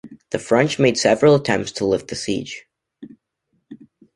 The French made several attempts to lift the siege.